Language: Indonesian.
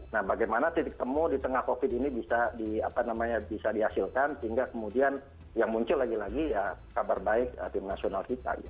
nah bagaimana titik temu di tengah covid ini bisa dihasilkan sehingga kemudian yang muncul lagi lagi ya kabar baik tim nasional kita